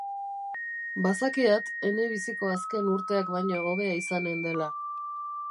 Bazakiat ene biziko azken urteak baino hobea izanen dela.